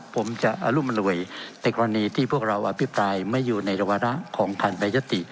ผมจะอรุมอร่วยในกรณีที่พวกเราอภิปรายไม่อยู่ในวาระของทันแปรยติ